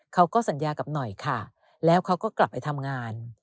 เขาก็สัญญากับหน่อยค่ะแล้วเขาก็กลับไปทำงาน